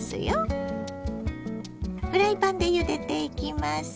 フライパンでゆでていきます。